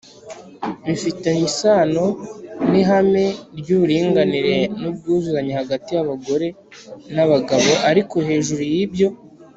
Bifitanye isano n ihame ry uburinganire n ubwuzuzanye hagati y abagore n abagabo ariko hejuru y ibyo